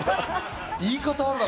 言い方あるだろ。